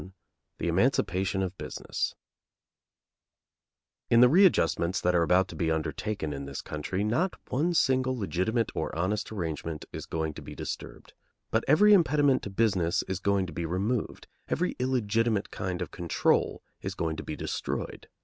XI THE EMANCIPATION OF BUSINESS In the readjustments that are about to be undertaken in this country not one single legitimate or honest arrangement is going to be disturbed; but every impediment to business is going to be removed, every illegitimate kind of control is going to be destroyed.